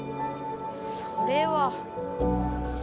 それは。